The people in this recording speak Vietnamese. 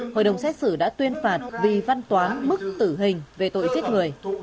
hội đồng xét xử đã tuyên phạt vì văn toán mức tử hình về tội giết người